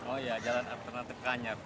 oh iya jalan alternatif ke anyar